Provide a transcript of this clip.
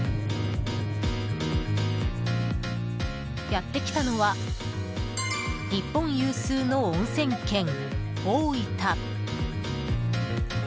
やってきたのは日本有数のおんせん県・大分。